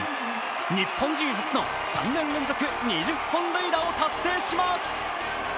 日本人初の３年連続２０本塁打の快挙を達成します。